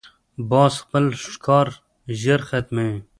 باز خپل ښکار ژر ختموي